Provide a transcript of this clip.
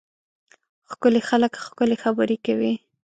ښکلي خلک ښکلې خبرې کوي.